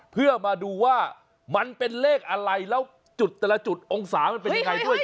เพื่อมาดูว่ามันเป็นเลขอะไรแล้วจุดแต่ละจุดองศามันเป็นยังไงด้วย